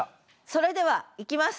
それではいきます。